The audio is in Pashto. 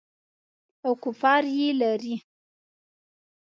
او کفار یې لري.